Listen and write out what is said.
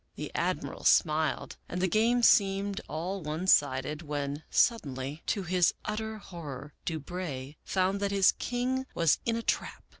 The Admiral smiled and the game seemed all one sided, when, suddenly, to his utter horror, Du Brey found that his king was in a trap.